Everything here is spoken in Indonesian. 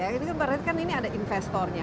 ya ini kan pada saat ini ada investornya